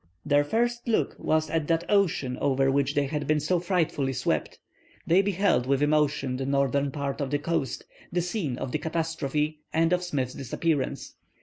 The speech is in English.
Their first look was at that ocean over which they had been so frightfully swept. They beheld with emotion the northern part of the coast, the scene of the catastrophe, and of Smith's disappearance.